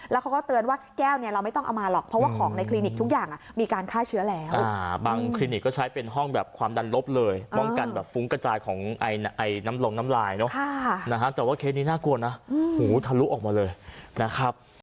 แล้วเขาก็เตือนว่าแก้วนี้เราไม่ต้องเอามาหรอก